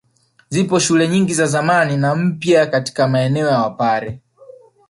Zipo shule nyingi za zamani na mpya katika maeneo ya Wapare